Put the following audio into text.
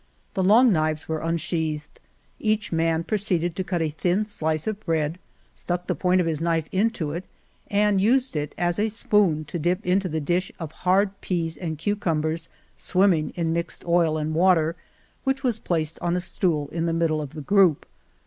The long knives were unsheathed; each man proceeded to cut a thin slice of bread, stuck the point of his knife into it and used it as a spoon to dip into the dish of hard peas and cucumbers, swimming in mixed oil and water, which was placed on a stool in the middle of the group.